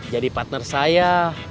jadi partner saya